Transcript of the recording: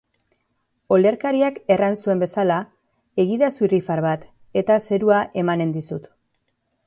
Olerkariak erran zuen bezala, egidazu irrifar bat, eta zerua emanen dizut!